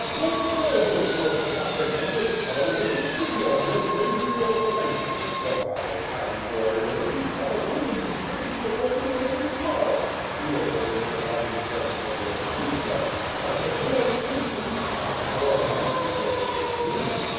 "Yonr trousers were flapping, and this cavalier took pity on you and gave you your life. Fie! Pan warrior; you have a woman's face, but also a woman's heart. You were cour ageous enough in presence of the old princess, and the boy princes, but before a knight you play a different tune.